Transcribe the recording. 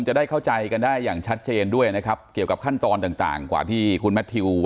จะขออนุญาตสอบถาม